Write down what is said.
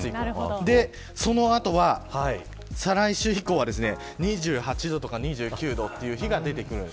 その後は再来週以降は２８度とか２９度という日が出てくるんです。